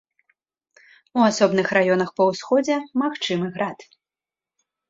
У асобных раёнах па ўсходзе магчымы град.